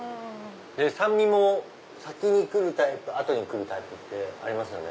酸味も先にくるタイプ後にくるタイプありますよね。